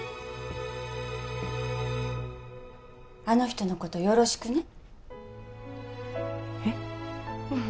あの人のことよろしくねえっ？